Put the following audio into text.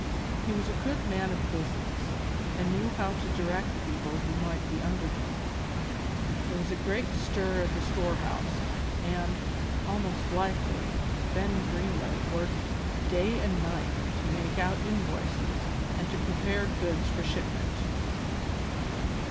He was a good man of business, and knew how to direct people who might be under him. There was a great stir at the storehouse, and, almost blithely, Ben Greenway worked day and night to make out invoices and to prepare goods for shipment.